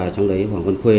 trong đấy hoàng văn khê